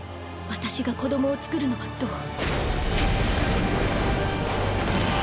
私が子供を作るのはどう？